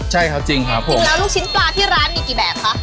ใช่ครับจริงครับจริงแล้วลูกชิ้นปลาที่ร้านมีกี่แบบคะ